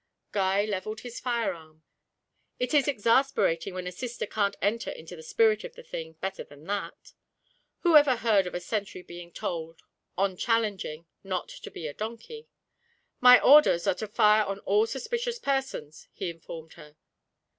Guy levelled his firearm. It is exasperating when a sister can't enter into the spirit of the thing better than that. Who ever heard of a sentry being told, on challenging, 'not to be a donkey'? 'My orders are to fire on all suspicious persons,' he informed her.